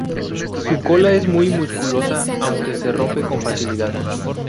Su cola es muy musculosa, aunque se rompe con facilidad.